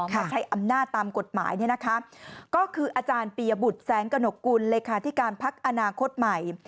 มาใช้อำนาจตามกฎหมายก็คืออาจารย์ปียบุตรแสงกระหนกกุลเลขาธิการพักอนาคตใหม่